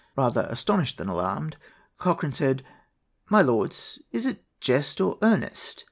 Rather astonished than alarmed, Cochran said, 'My lords, is it jest or earnest?'